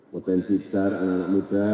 potensi besar anak anak muda